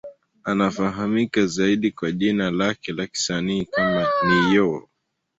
Anafahamika zaidi kwa jina lake la kisanii kama Ne-Yo.